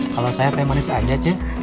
kalau saya teh manis aja sih